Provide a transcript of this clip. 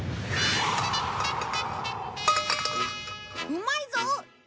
うまいぞ！